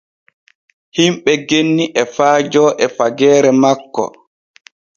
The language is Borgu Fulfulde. Himɓe genni e faajo e fageere makko.